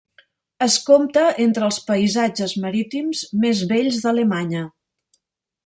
Es compta entre els paisatges marítims més bells d'Alemanya.